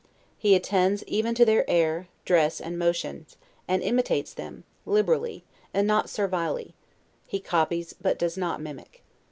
He attends even to their air, dress, and motions, and imitates them, liberally, and not servilely; he copies, but does not mimic.